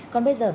còn bây giờ